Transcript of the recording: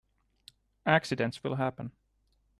Accidents will happen.